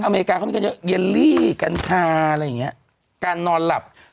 อเมริกาเขามีกันเยอะเยลลี่กัญชาอะไรอย่างเงี้ยการนอนหลับ